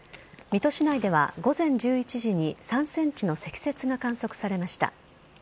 水戸市内では午前１１時に、３センチの積雪が観測されました。